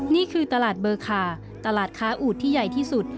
นี่คือตลาดเบอร์คาตลาดค้าอูดที่ใหญ่ที่สุด